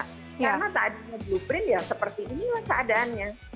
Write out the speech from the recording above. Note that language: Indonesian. karena tadinya blueprint ya seperti inilah keadaannya